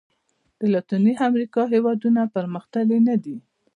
د لاتیني امریکا هېوادونو پرمختللي نه دي.